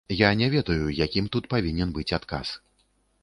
Я не ведаю, якім тут павінен быць адказ.